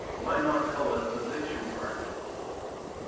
Why not call it the Victory Park?